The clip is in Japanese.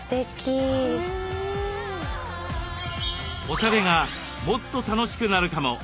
おしゃれがもっと楽しくなるかも！